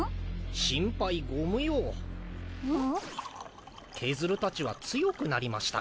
心配ご無用ケズルたちは強くなりました